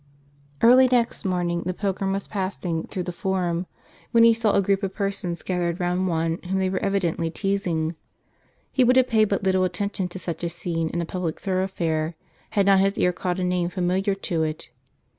ARLT next morning, the pilgrim was passing through the Forum, when he saw a group of persons gathered round one whom they were evidently teasing. He would have paid but little atten tion to such a scene in a public thoroughfare, had not his ear caught a name familiar to it.